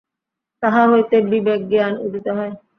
তাহা হইতে বিবেকজ্ঞান উদিত হয়।